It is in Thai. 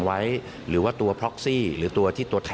อ้าว